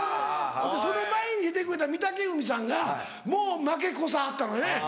その前に出てくれた御嶽海さんがもう負け越さはったのね。